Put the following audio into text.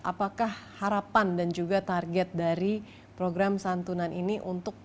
apakah harapan dan juga target dari program santunan ini untuk